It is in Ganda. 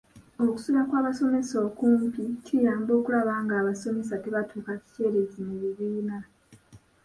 Okusula kw'abasomesa okumpi kiyamba okulaba nga abasomesa tebatuuka kikeerezi mu bibiina.